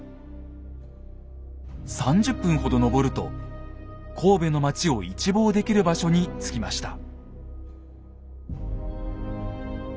３０分ほど登ると神戸の街を一望できる場所に着きました。